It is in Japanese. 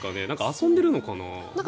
遊んでるのかな。